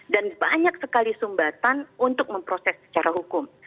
dan banyak sekali sumbatan untuk memproses secara hukum